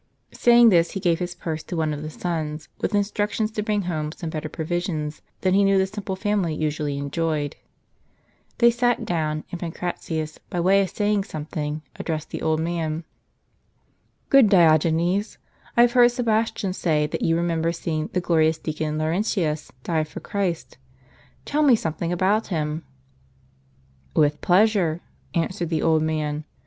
Saying this he gave his purse to one of the sons, with instructions to bring home some better provisions than he knew the simple family usually enjoyed. They sat down ; or wheat, transformed into a liquid." Ammian. Marcellinus, lib. xxvi. 8, p. 423, ed. Lips. dfe ®4rb. and Pancratius, by way of saying something, addressed the old man. " Good Diogenes, I have heard Sebastian say that you remember seeing the glorious Deacon Laurentius die for Christ. Tell me something about him." " With pleasure," answered the old man.